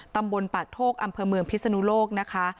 ตำบลปากโทกอำเภอเมืองพิศนุโลกนะคะ